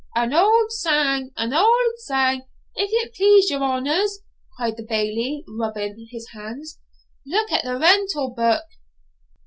'An auld sang an auld sang, if it please your honours,' cried the Bailie, rubbing his hands; 'look at the rental book.'